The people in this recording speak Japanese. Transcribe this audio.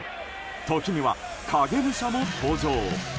時には、影武者も登場。